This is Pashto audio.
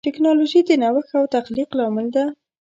ټکنالوجي د نوښت او تخلیق لامل ده.